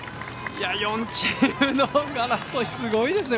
４チームの争いすごいですね！